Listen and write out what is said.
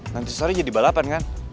nanti setelah ini jadi balapan kan